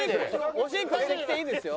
おしっこしてきていいですよ。